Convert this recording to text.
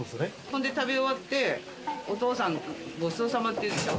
ほんで食べ終わってお父さん「ご馳走さま」って言うでしょ「